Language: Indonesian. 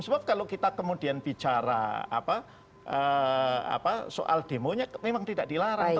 sebab kalau kita kemudian bicara soal demonya memang tidak dilarang